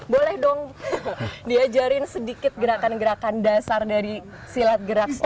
boleh dong diajarin sedikit gerakan gerakan dasar dari silat gerak seperti ini